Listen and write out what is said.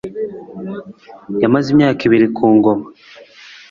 yamaze imyaka ibiri ku ngoma